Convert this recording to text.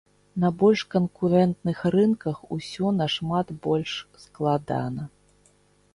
На больш канкурэнтных рынках усё нашмат больш складана.